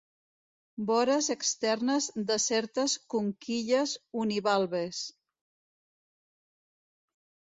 Vores externes de certes conquilles univalves.